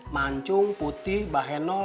mancung putih baheno